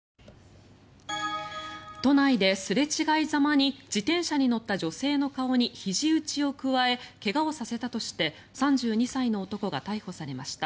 都内で、すれ違いざまに自転車に乗った女性の顔にひじ打ちを加え怪我をさせたとして３２歳の男が逮捕されました。